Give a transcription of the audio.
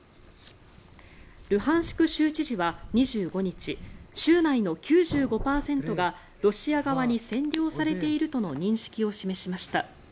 ルハンシク州知事は２５日州内の９５％がロシア側に占領されているとの認識を示しました。